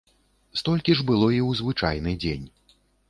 Столькі ж было і ў звычайны дзень.